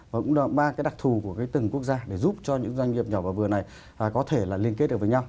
và cũng là ba cái đặc thù của từng quốc gia để giúp cho những doanh nghiệp nhỏ và vừa này có thể là liên kết được với nhau